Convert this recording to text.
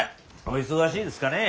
お忙しいですかね。